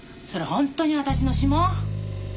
本当に私の指紋？